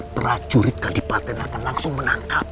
prajurit kabupaten akan langsung menangkap